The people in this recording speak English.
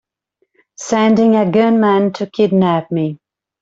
Sending a gunman to kidnap me!